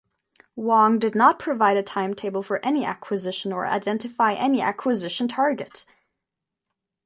Wong did not provide a timetable for any acquisition or identify any acquisition target.